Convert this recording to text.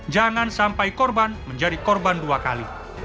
jangan sampai korban menjadi korban dua kali